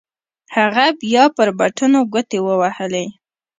هغه بيا پر بټنو گوټې ووهلې.